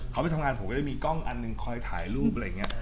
เขาไปทำงานผมก็จะมีกล้องอันหนึ่งคอยถ่ายรูปอะไรอย่างนี้